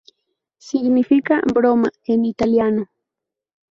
Significa "broma" en italiano.